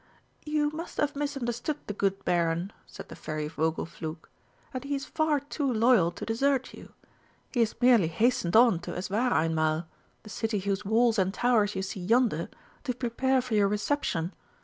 "You must have misunderstood the good Baron," said the Fairy Vogelflug; "and he is far too loyal to desert you. He has merely hastened on to Eswareinmal, the city whose walls and towers you see yonder, to prepare for your reception.